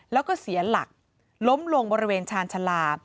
แล้วก็เสียหลักล้มลงบริเวณชาญชาลา